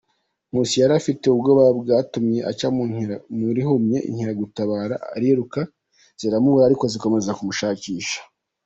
Nkusi yari afite ubwoba bwanatumye aca mu rihumye Inkeragutabara ariruka ziramubura ariko zikomeza kumushakisha.